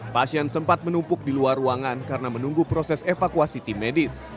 pasien sempat menumpuk di luar ruangan karena menunggu proses evakuasi tim medis